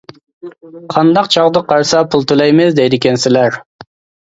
قانداق چاغدا قارىسا پۇل تۆلەيمىز دەيدىكەنسىلەر.